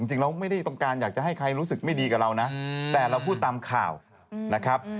เราไม่ได้ต้องการอยากจะให้ใครรู้สึกไม่ดีกับเรานะแต่เราพูดตามข่าวนะครับ